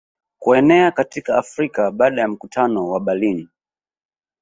Kuenea katika Afrika baada ya mkutano wa Berlin